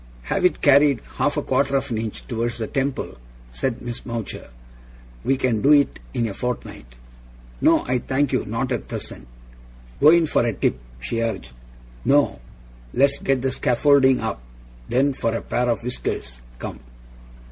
'Have it carried half a quarter of an inch towards the temple,' said Miss Mowcher. 'We can do it in a fortnight.' 'No, I thank you. Not at present.' 'Go in for a tip,' she urged. 'No? Let's get the scaffolding up, then, for a pair of whiskers. Come!